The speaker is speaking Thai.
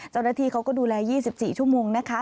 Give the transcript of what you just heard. เจ้าหน้าที่เขาก็ดูแล๒๔ชั่วโมงนะคะ